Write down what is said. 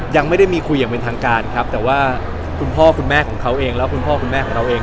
ยังไม่ได้มีคุยอย่างเป็นทางการครับแต่ว่าคุณพ่อคุณแม่ของเขาเองแล้วคุณพ่อคุณแม่ของเราเอง